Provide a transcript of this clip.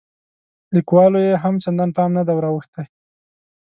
لیکوالو یې هم چندان پام نه دی وراوښتی.